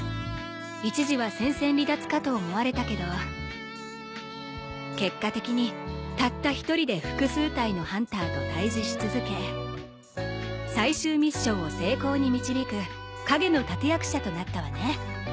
一時は戦線離脱かと思われたけど結果的にたった一人で複数体のハンターと対峙し続け最終ミッションを成功に導く陰の立役者となったわね。